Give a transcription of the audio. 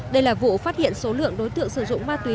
đây là vụ phát hiện số lượng đối tượng sử dụng ma túy